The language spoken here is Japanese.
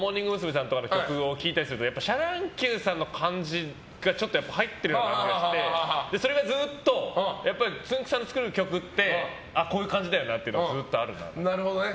さんとかの曲を聴いたりするとシャ乱Ｑさんの感じが入ってる感じがしてそれがずっとつんく♂さんの作る曲ってこういう感じだよなっていうのがずっとあるんですよね。